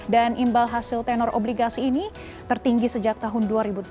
dan imbal hasil tenor obligasi ini tertinggi sejak tahun dua ribu tujuh